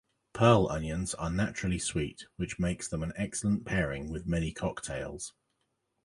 Pearl onions are naturally sweet, which makes them an excellent pairing with many cocktails.